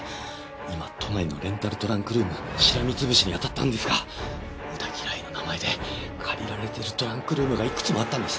今都内のレンタルトランクルームしらみつぶしに当たったんですが六田木来の名前で借りられてるトランクルームがいくつもあったんです！